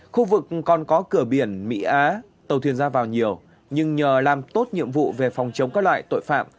khu vực còn có cửa biển mỹ á tàu thuyền ra vào nhiều nhưng nhờ làm tốt nhiệm vụ về phòng chống các loại tội phạm